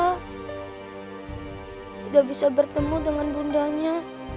aku tidak bisa bertemu dengan relational frilya